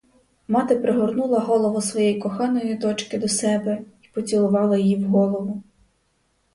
Мати пригорнула голову своєї коханої дочки до себе й поцілувала її в голову.